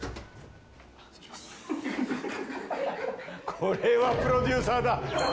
これはプロデューサーだ。